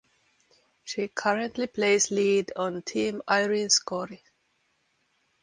She currently plays lead on Team Irene Schori.